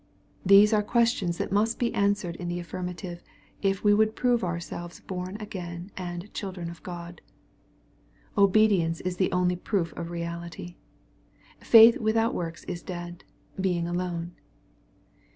— These are questions that must be answered in the affirmative, if we would prove ourselves born again and children of God. Obedience is the only proof of reality. Faith without works is dead, being alone.